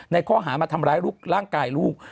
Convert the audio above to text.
ในข้อหามาทำร้ายร่างกายลูก